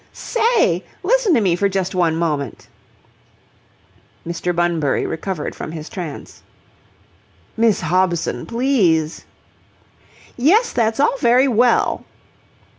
"Say, listen to me for just one moment!" Mr. Bunbury recovered from his trance. "Miss Hobson! Please!" "Yes, that's all very well..."